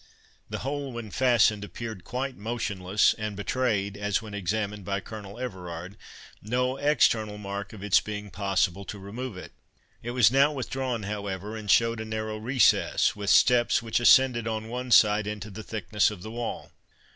The whole, when fastened, appeared quite motionless, and betrayed, as when examined by Colonel Everard, no external mark of its being possible to remove it. It was now withdrawn, however, and showed a narrow recess, with steps which ascended on one side into the thickness of the wall.